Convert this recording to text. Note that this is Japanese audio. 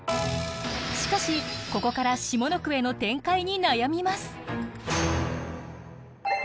しかしここから下の句への展開に悩みます。